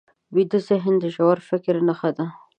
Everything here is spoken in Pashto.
ویده ذهن د ژور فکر نښه ده